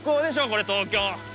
これ東京。